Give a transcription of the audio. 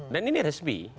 dan ini resmi